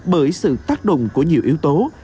bởi sự tác động của nhiều yếu tố